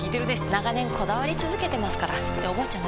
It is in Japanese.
長年こだわり続けてますからっておばあちゃん